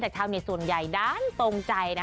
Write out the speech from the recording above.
จากข้าวเนี้ยส่วนใหญ่ด้านตรงใจนะ